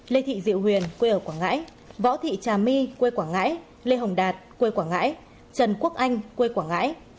lê thị diệu huyền quê ở quảng ngãi võ thị trà my quê quảng ngãi lê hồng đạt quê quảng ngãi trần quốc anh quê quảng ngãi